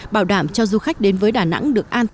bảo đảm cho du khách đến với đà nẵng